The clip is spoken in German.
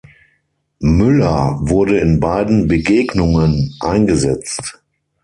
Müller wurde in beiden Begegnungen eingesetzt.